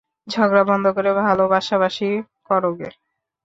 ঝগড়া বন্ধ করে ভালোবাসাবাসি করোগে।